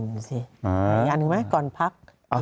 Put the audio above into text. มีอันหนึ่งไหมก่อนพัก